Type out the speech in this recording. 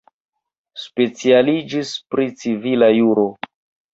Specialiĝis pri civila juro.